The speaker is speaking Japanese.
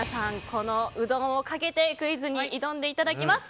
このうどんをかけてクイズに挑んでいただきます。